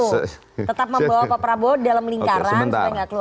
tetap membawa pak prabowo dalam lingkaran supaya nggak keluar